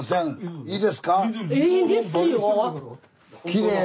きれい！